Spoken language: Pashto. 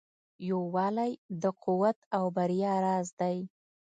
یووالی د قوت او بریا راز دی.